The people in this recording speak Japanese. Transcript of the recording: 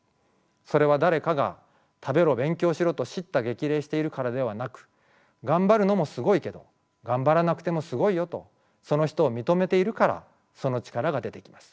それは誰かが「食べろ勉強しろ」と叱咤激励しているからではなく「がんばるのもすごいけどがんばらなくてもすごいよ」とその人を認めているからその力が出てきます。